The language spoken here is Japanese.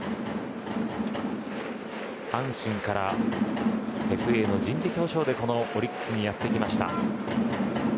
阪神からＦＡの人的補償でオリックスにやってきました。